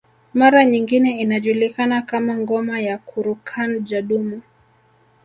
Mara nyingine inajulikana kama ngoma ya kurukan Jadumu